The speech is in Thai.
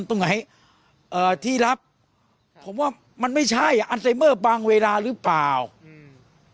ตรงไหนเอ่อที่รับผมว่ามันไม่ใช่อ่ะอันไซเมอร์บางเวลาหรือเปล่าอืม